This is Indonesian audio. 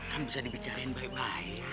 kan bisa dibicarain baik baik